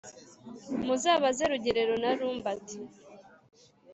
Muzabaze Rugerero na Rumbati.